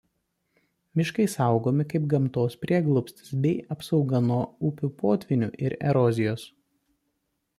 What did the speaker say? Miškai saugomi kaip gamtos prieglobstis bei apsauga nuo upių potvynių ir erozijos.